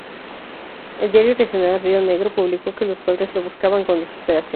El diario regional "Río Negro" publicó que los padres lo buscaban con desesperación.